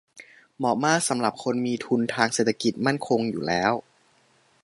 เหมาะมากสำหรับคนมีทุนทางเศรษฐกิจมั่นคงอยู่แล้ว